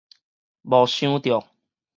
無想著